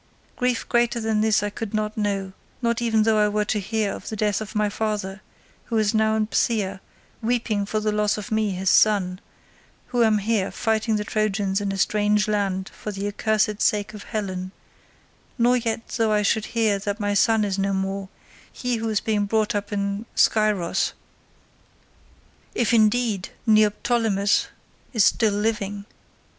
Grief greater than this I could not know, not even though I were to hear of the death of my father, who is now in Phthia weeping for the loss of me his son, who am here fighting the Trojans in a strange land for the accursed sake of Helen, nor yet though I should hear that my son is no more—he who is being brought up in Scyros—if indeed Neoptolemus is still living.